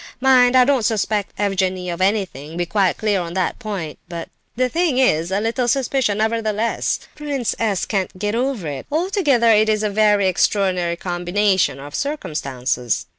Mind, I don't suspect Evgenie of anything, be quite clear on that point; but the thing is a little suspicious, nevertheless. Prince S. can't get over it. Altogether it is a very extraordinary combination of circumstances."